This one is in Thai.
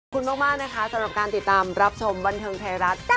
ขอบคุณมากนะคะสำหรับการติดตามรับชมบันเทิงไทยรัฐ